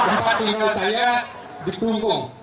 tempat tinggal saya di klungkong